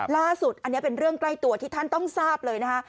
ล่าสุดอันนี้เป็นเรื่องใกล้ตัวที่ท่านต้องทราบเลยนะคะ